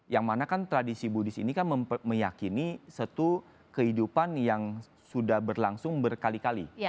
yang mana kan tradisi budis ini kan meyakini satu kehidupan yang sudah berlangsung berkali kali